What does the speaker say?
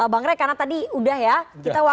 bang rey karena tadi udah ya